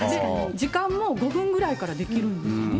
時間も５分ぐらいからできるんですよね。